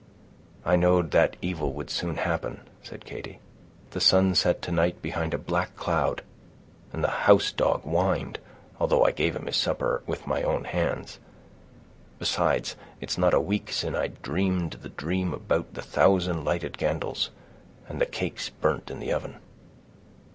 "I know'd that evil would soon happen," said Katy. "The sun set to night behind a black cloud, and the house dog whined, although I gave him his supper with my own hands; besides, it's not a week sin' I dreamed the dream about the thousand lighted candles, and the cakes burnt in the oven."